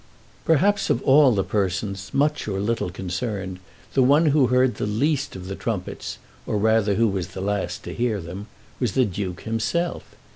Perhaps of all the persons, much or little concerned, the one who heard the least of the trumpets, or rather who was the last to hear them, was the Duke himself.